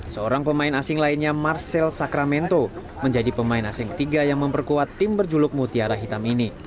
seorang pemain asing lainnya marcel sakramento menjadi pemain asing ketiga yang memperkuat tim berjuluk mutiara hitam ini